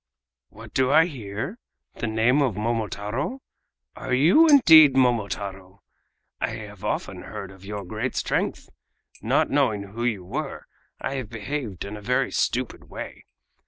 "What do I hear? The name of Momotaro? Are you indeed Momotaro? I have often heard of your great strength. Not knowing who you were I have behaved in a very stupid way.